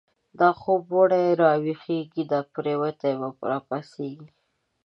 دا خوب و ړی را ویښیږی، دا پریوتی را پاڅیږی